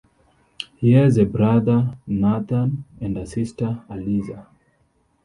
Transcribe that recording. He has a brother, Nathan, and a sister, Alisa.